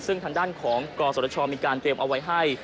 ซึ่งทางด้านของกศชมีการเตรียมเอาไว้ให้